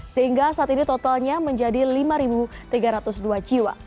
sehingga saat ini totalnya menjadi lima tiga ratus dua jiwa